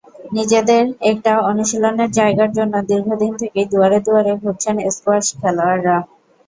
নিজেদের একটা অনুশীলনের জায়গার জন্য দীর্ঘদিন থেকেই দুয়ারে দুয়ারে ঘুরছেন স্কোয়াশ খেলোয়াড়েরা।